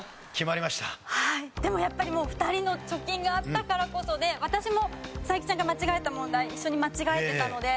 でもやっぱりもう２人の貯金があったからこそで私も才木ちゃんが間違えた問題一緒に間違えてたので。